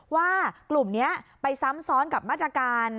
ว่ากลุ่มนี้ไปซ้ำซ้อนกับมาตรการ